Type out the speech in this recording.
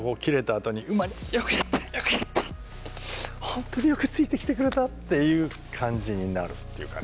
本当によくついてきてくれた！」っていう感じになるっていうかね。